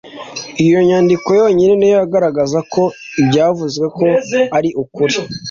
Iyo nyandiko yonyine niyo yagaragaza ko ibyavuzwe ko ari ukuri